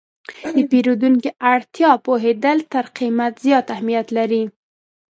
د پیرودونکي اړتیا پوهېدل تر قیمت زیات اهمیت لري.